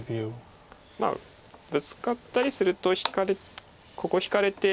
まあブツカったりするとここ引かれて。